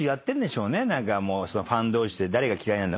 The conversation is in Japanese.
ファン同士で「誰が嫌いなんだ？」